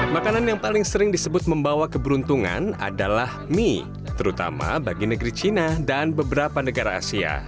makanan yang paling sering disebut membawa keberuntungan adalah mie terutama bagi negeri cina dan beberapa negara asia